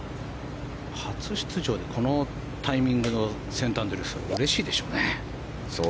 初出場でこのタイミングのセントアンドリュースはうれしいでしょうね。